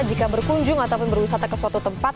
jika berkunjung ataupun berwisata ke suatu tempat